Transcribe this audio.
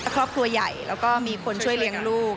ครอบครัวใหญ่แล้วก็มีคนช่วยเลี้ยงลูก